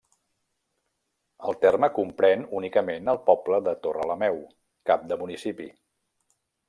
El terme comprèn únicament el poble de Torrelameu, cap de municipi.